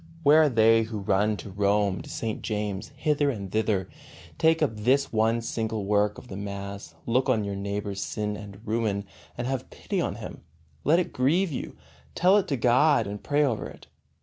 Where are they who run to Rome, to St. James, hither and thither? Take up this one single work of the mass, look on your neighbor's sin and ruin, and have pity on him; let it grieve you, tell it to God, and pray over it.